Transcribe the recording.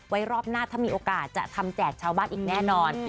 รอบหน้าถ้ามีโอกาสจะทำแจกชาวบ้านอีกแน่นอน